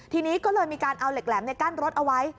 ทีนี้ก็เลยมีการเอาเหล็กแหลมกั้นรถเอาไว้